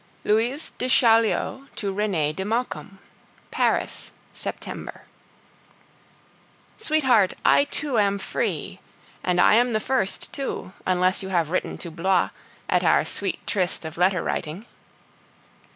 LOUISE DE CHAULIEU TO RENEE DE MAUCOMBE. PARIS, September. Sweetheart, I too am free! And I am the first too, unless you have written to Blois, at our sweet tryst of letter writing.